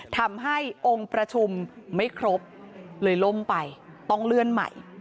ทำให้องค์ประชุมไม่ครบเลยล่มไปต้องเลื่อนใหม่